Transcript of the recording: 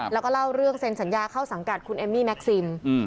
แล้วก็เล่าเรื่องเซ็นสัญญาเข้าสังกัดคุณเอมมี่แม็กซิม